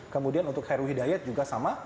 kemudian untuk heru hidayat juga sama